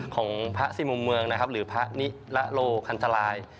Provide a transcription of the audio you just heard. ของพระสิมมมืองหรือพระนิลโลคันตราย